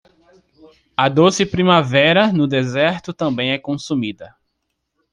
A doce primavera no deserto também é consumida